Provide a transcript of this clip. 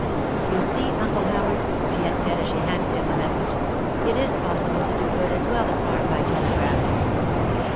'You see, Uncle Howard,' she had said as she handed him the message, 'it is possible to do good as well as harm by telegraph.